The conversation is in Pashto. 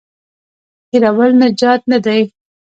هېرول نجات نه دی.